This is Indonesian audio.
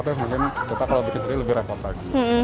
tapi mungkin kalau kita buat sendiri lebih repotek